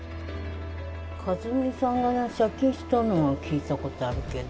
和美さんが借金したのは聞いたことあるけど。